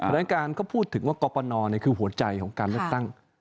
แถลงการเขาพูดถึงว่ากรกฎเนี่ยคือหัวใจของการลึกตั้ง